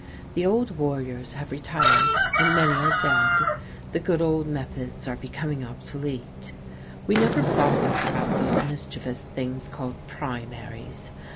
The old warriors have retired, and many are dead; the good old methods are becoming obsolete. We never bothered about those mischievous things called primaries.